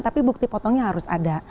tapi bukti potongnya harus ada